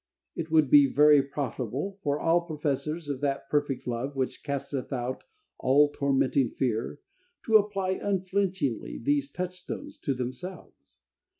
It would be very profitable for all professors of that perfect love which casteth out all tormenting fear, to apply unflinchingly these touch stones to themselves.